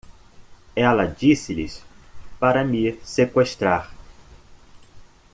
Ela disse-lhes para me seqüestrar.